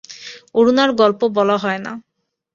অরুণার গল্প বলা হয় না।